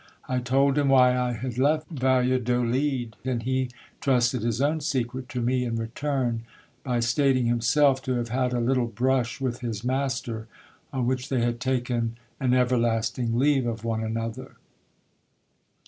I told him why I had left Valla dolid, and he trusted his own secret to me in return, by stating himself to have had a little brush with his master, on which they had taken an everlasting leave of one another.